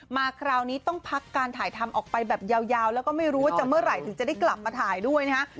มาคราวนี้ต้องพักการถ่ายทำออกไปแบบยาวแล้วก็ไม่รู้ว่าจะเมื่อไหร่ถึงจะได้กลับมาถ่ายด้วยนะฮะ